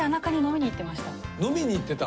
飲みに行ってた？